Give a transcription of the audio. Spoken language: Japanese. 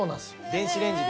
電子レンジで。